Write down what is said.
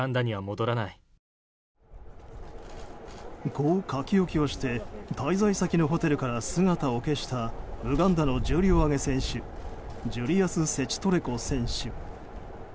こう書き置きをして滞在先のホテルから姿を消したウガンダの重量挙げ選手ジュリアス・セチトレコ選手。